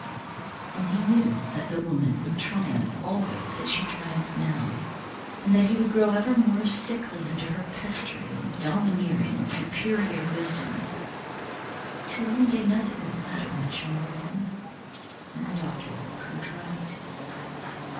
And he knew that the Woman would triumph always as she triumphed now, and that he would grow ever more sickly under her pestering and domineering and superior wisdom, till one day nothing would matter much more with him, and the doctor would be proved right.